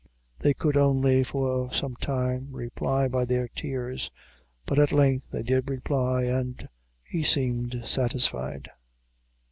They could only, for some time, reply by their tears; but at length they did reply, and he seemed satisfied.